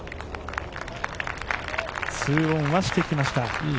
２オンはしてきました。